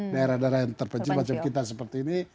daerah daerah yang terpencil macam kita seperti ini